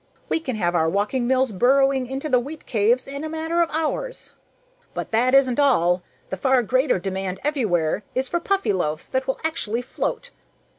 We can have our walking mills burrowing into the wheat caves in a matter of hours! "But that isn't all! The far greater demand everywhere is for Puffyloaves that will actually float.